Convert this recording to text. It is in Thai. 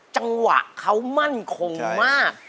จังหวะเขามั่นคงมาก